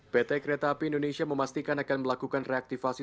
pt kereta api indonesia memastikan akan melakukan reaktivasi